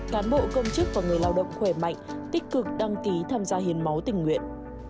cán bộ công chức và người lao động khỏe mạnh tích cực đăng ký tham gia hiến máu tình nguyện